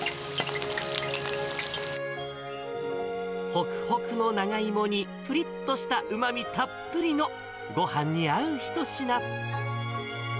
ほくほくの長芋にぷりっとしたうまみたっぷりの、ごはんに合う一品。